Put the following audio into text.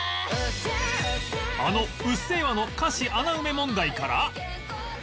あの『うっせぇわ』の歌詞穴埋め問題から